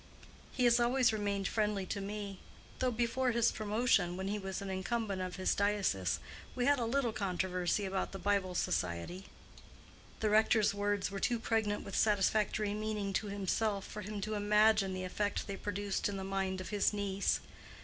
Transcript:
He has always remained friendly to me, though before his promotion, when he was an incumbent of this diocese, we had a little controversy about the Bible Society." The rector's words were too pregnant with satisfactory meaning to himself for him to imagine the effect they produced in the mind of his niece.